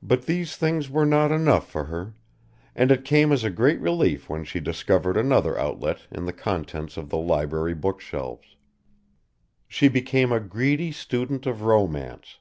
But these things were not enough for her, and it came as a great relief when she discovered another outlet in the contents of the library bookshelves. She became a greedy student of romance.